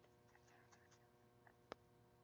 Aho ihene yonnye ihoramo.